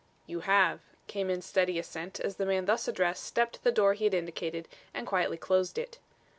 "You have," came in steady assent as the man thus addressed stepped to the door he had indicated and quietly closed it.